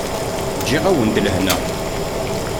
Ǧǧiɣ-awen-d lehna.